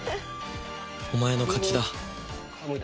お前の勝ちだ